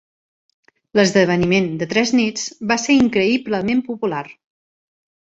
L'esdeveniment de tres nits va ser increïblement popular.